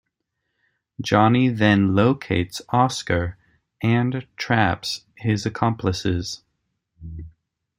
Johnny then locates Oscar and traps his accomplices.